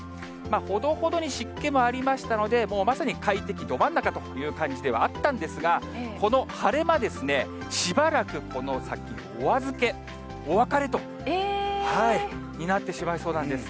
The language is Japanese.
ほどほどに湿気もありましたので、もうまさに快適ど真ん中という感じではあったんですが、この晴れ間ですね、しばらくこの先、お預け、お別れになってしまいそうなんです。